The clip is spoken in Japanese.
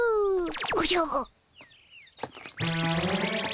おじゃ？